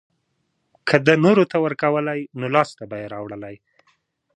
که ده نورو ته ورکولی نو لاسته به يې راوړلی.